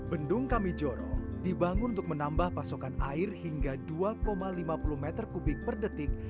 bendung kamijoro dibangun untuk menambah pasokan air hingga dua lima puluh meter kubik per detik